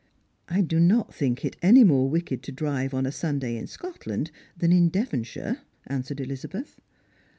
'" I do not think it any more wicked to drive on a Sunday in Scotland than in Devonshire," answered Elizabeth.